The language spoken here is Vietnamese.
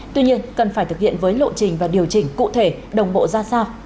tuy nhiên cần phải thực hiện với lộ trình và điều chỉnh cụ thể đồng bộ ra sao